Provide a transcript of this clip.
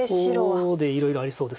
ここでいろいろありそうです。